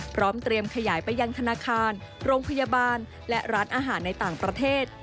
พร้อมเตรียมขยายไปยังธนาคารโรงพยาบาลและร้านอาหารในต่างประเทศ